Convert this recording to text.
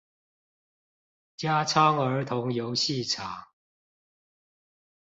加昌兒童遊戲場